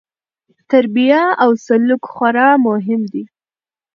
تربیه او سلوک خورا مهم دي.